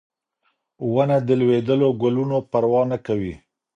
ونه د لوېدلو ګلونو پروا نه کوي.